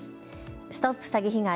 ＳＴＯＰ詐欺被害！